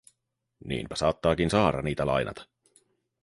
Niinpä saattaakin Saara niitä lainata.